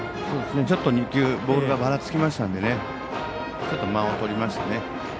ちょっと２球ボールがばらつきましたのでちょっと間をとりましたね。